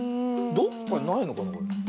どっかにないのかな？